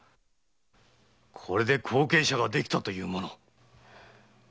これで後継者ができたというもの。